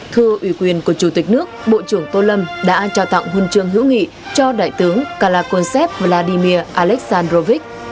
thưa ủy quyền của chủ tịch nước bộ trưởng tô lâm đã trao tặng huân chương hữu nghị cho đại tướng kalakonsep vladimir aleksandrovich